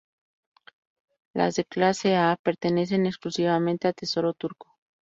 Las de clase A pertenecen exclusivamente al Tesoro turco.